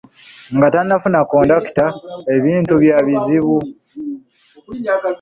Nga tannafuna kondakita ebintu bya bizibu.